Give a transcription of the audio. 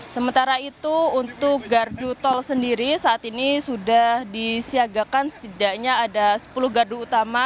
sementara itu untuk gardu tol sendiri saat ini sudah disiagakan setidaknya ada sepuluh gardu utama